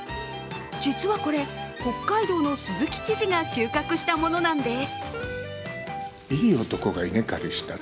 実はこれ、北海道の鈴木知事が収穫したものなんです。